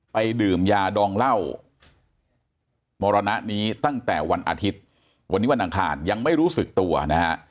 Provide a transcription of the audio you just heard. ดื่มยาดองเหล้ามรณะนี้ตั้งแต่วันอาทิตย์วันนี้วันอังคารยังไม่รู้สึกตัวนะฮะ